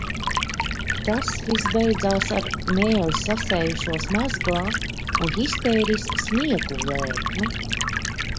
Tas viss beidzās ar mēli sasējušos mezglā un histērisku smieklu lēkmi.